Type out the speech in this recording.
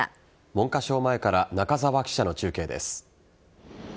文科省前から中澤記者の中継です。